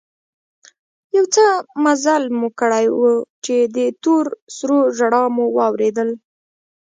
يو څه مزل مو کړى و چې د تور سرو ژړا مو واورېدل.